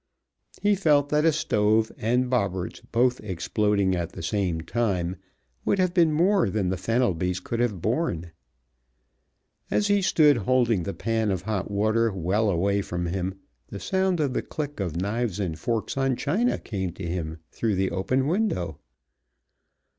He felt that a stove and Bobberts both exploding at the same time would have been more than the Fenelbys could have borne. As he stood holding the pan of hot water well away from him the sound of the click of knives and forks on china came to him through the open window.